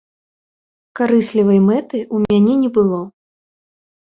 Карыслівай мэты ў мяне не было.